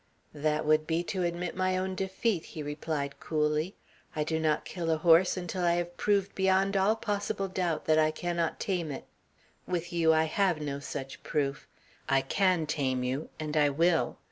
"That would be to admit my own defeat," he replied coolly. "I do not kill a horse until I have proved beyond all possible doubt that I cannot tame it. With you I have no such proof. I can tame you and I will.